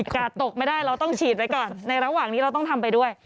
กาดตกไม่ได้เราต้องฉีดไว้ก่อนในระหว่างนี้เราต้องทำไปด้วย